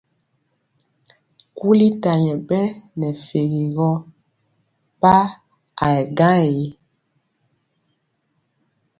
Kuli ta nyɛ ɓɛ nɛ fegi gɔ pa a yɛ gaŋ ee.